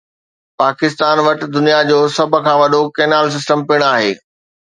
پاڪستان وٽ دنيا جو سڀ کان وڏو ڪينال سسٽم پڻ آهي